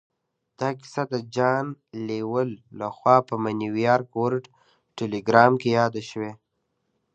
دا کیسه د جان لویل لهخوا په نیویارک ورلډ ټیليګراف کې یاده شوې